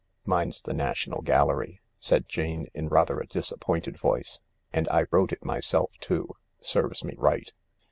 " Mine's the National Gallery," said Jane, in rather a disappointed voice ;" and I wrote it myself, too. Serves me right."